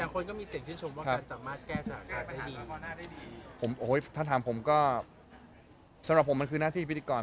คนก็มีเสียงชื่นชมว่ามันสามารถแก้สถานการณ์ได้ดีผมโอ้ยถ้าถามผมก็สำหรับผมมันคือหน้าที่พิธีกร